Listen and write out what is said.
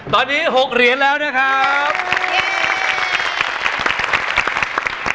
ตอนนี้๖เหรียญแล้วนะครับ